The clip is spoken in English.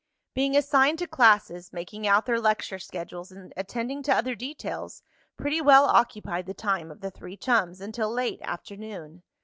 Being assigned to classes, making out their lecture schedules and attending to other details, pretty well occupied the time of the three chums until late afternoon.